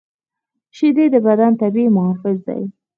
شیدې د بدن طبیعي محافظ دي